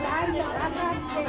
わかってる！